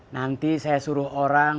nanti saya suruh orang